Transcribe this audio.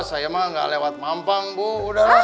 ah saya mah gak lewat mampang bu udahlah